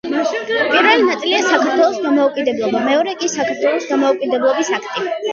პირველი ნაწილია „საქართველოს დამოუკიდებლობა“, მეორე კი „საქართველოს დამოუკიდებლობის აქტი“.